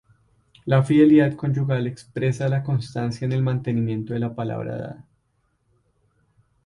La fidelidad conyugal expresa la constancia en el mantenimiento de la palabra dada.